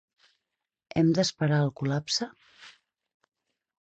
Hem d’esperar al col·lapse?